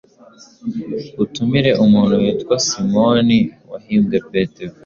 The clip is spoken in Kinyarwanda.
utumire umuntu witwa Simoni wahimbwe Petero.